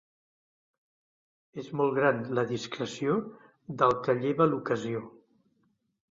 És molt gran la discreció del que lleva l'ocasió.